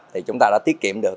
thì chúng ta đã tiết kiệm được